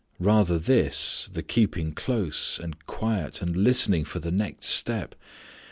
Rather this, the keeping close, and quiet and listening for the next step.